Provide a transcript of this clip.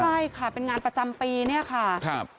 ใช่ค่ะเป็นงานประจำปีเนี่ยค่ะ